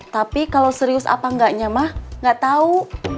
tapi kalau serius apa enggak nyamah enggak tahu